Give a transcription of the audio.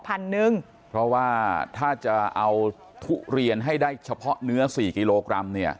เพราะว่าถ้าจะเอาทุเรียนให้ได้เฉพาะเนื้อ๔กิโลกรัมเนี่ย